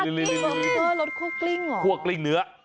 บริการรสกรึ่งเหนือ